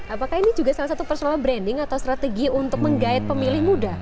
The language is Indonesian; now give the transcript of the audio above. apakah ini juga salah satu personal branding atau strategi untuk menggait pemilih muda